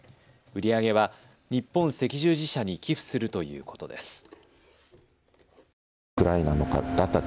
売り上げは日本赤十字社に寄付するということです。